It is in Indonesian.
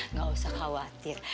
nggak usah khawatir